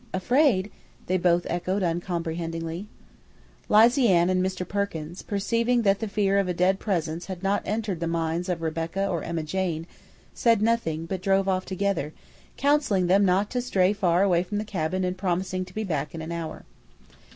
"Afraid?" they both echoed uncomprehendingly. Lizy Ann and Mr. Perkins, perceiving that the fear of a dead presence had not entered the minds of Rebecca or Emma Jane, said nothing, but drove off together, counseling them not to stray far away from the cabin and promising to be back in an hour.